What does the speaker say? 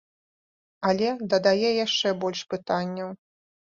Але дадае яшчэ больш пытанняў.